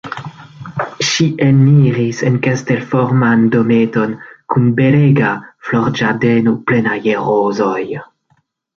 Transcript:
Ŝi eniris en kastelforman dometon kun belega florĝardeno plena je rozoj.